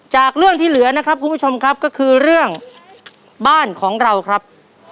จากเรื่องที่เหลือนะครับคุณผู้ชมครับก็คือเรื่องบ้านของเราครับ